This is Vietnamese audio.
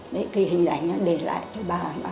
đấy cái hình ảnh đó để lại cho bà